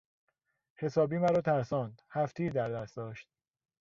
حسابی مرا ترساند، هفت تیر در دست داشت!